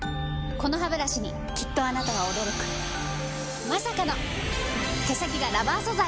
このハブラシにきっとあなたは驚くまさかの毛先がラバー素材！